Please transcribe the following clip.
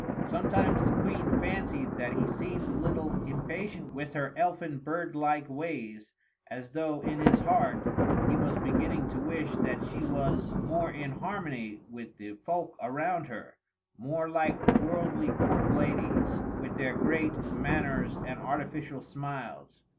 Sometimes the Queen fancied that he seemed a little impatient with her elfin bird like ways, as though, in his heart, he was beginning to wish that she was more in harmony with the folk around her, more like the worldly court ladies, with their great manners and artificial smiles.